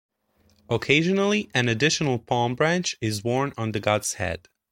Occasionally, an additional palm branch is worn on the god's head.